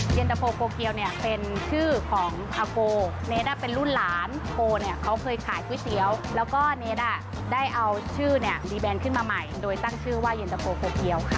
เย็นตะโฟโกเกียวเนี่ยเป็นชื่อของอาโกเนสเป็นรุ่นหลานโกเนี่ยเขาเคยขายก๋วยเตี๋ยวแล้วก็เนสได้เอาชื่อเนี่ยดีแนนขึ้นมาใหม่โดยตั้งชื่อว่าเย็นตะโฟโคเกียวค่ะ